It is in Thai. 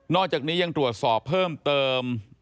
อกจากนี้ยังตรวจสอบเพิ่มเติม